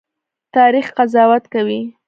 تاریخ قضاوت کوي